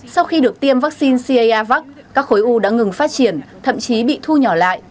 sau khi được tiêm vaccine c a r vax các khối u đã ngừng phát triển thậm chí bị thu nhỏ lại